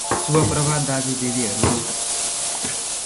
शुभ प्रभात दाजु दिदिहरु